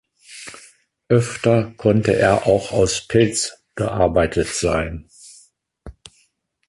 Öfter konnte er auch aus Pelz gearbeitet sein.